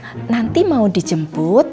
eh nanti mau dijemput